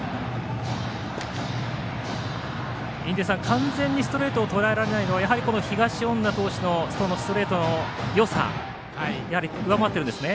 完全にストレートをとらえられないのはやはり東恩納投手のストレートのよさやはり上回っているんですね。